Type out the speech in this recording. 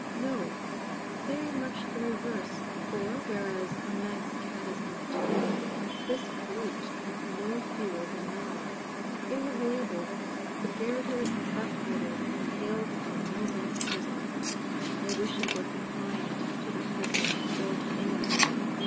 No; very much the reverse, for, whereas a Manx cat has no tail, this brute had no fewer than nine. It was labelled "Garotters back biter," and hailed from Millbank prison. I wish it were confined to that prison, or to any prison.